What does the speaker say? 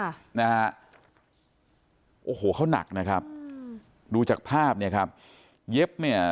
ค่ะนะฮะโอ้โหเขาหนักนะครับอืมดูจากภาพเนี่ยครับเย็บเนี่ย